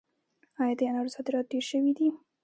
آیا د انارو صادرات ډیر شوي دي؟